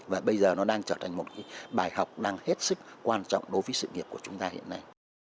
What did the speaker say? và bây giờ nó đang trở thành một bài học đang hết sức quan trọng đối với sự nghiệp của chúng ta hiện nay